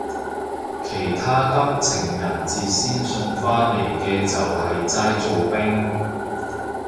其他得情人節先送花嚟嘅就係齋做兵